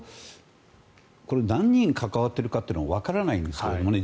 何人関わっているかがわからないんですけどね